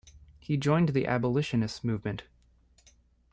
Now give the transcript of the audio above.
He joined the abolitionist movement.